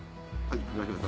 はい。